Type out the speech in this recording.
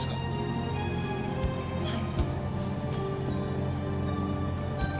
はい。